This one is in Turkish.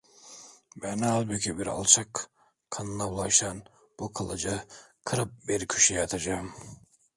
Ben halbuki bir alçak kanına bulaşan bu kılıcı kırıp bir köşeye atacağım.